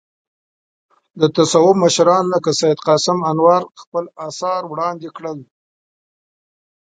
د تصوف مشران لکه سید قاسم انوار خپل اثار وړاندې کړل.